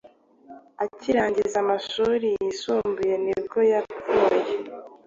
Akirangiza amashuri yisumbuye nibwo yapfuye